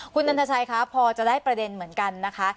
คุณนันทชัยคะพอจะได้ประเด็นเหมือนกันนะคะ